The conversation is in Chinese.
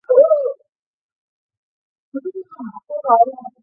这是村上春树的第九部长篇小说。